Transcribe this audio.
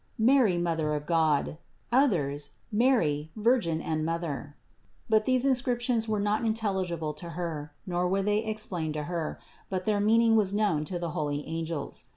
"Mary, Mother of God;" others: "Mary, Virgin and Mother." But these inscriptions were not intelligible to Her, nor were they explained to Her, but their meaning was known to the holy angels.